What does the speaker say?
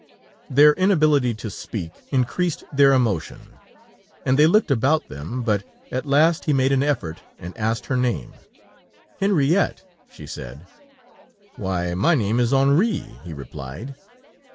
Their inability to speak, increased their emotion, and they looked about them, but at last he made an effort and asked her name. "Henriette," she said. "Why! My name is Henri," he replied.